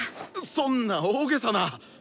そんな大げさな。